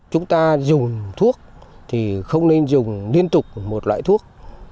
chúng ta dùng thuốc thì không nên dùng liên tục một loại thuốc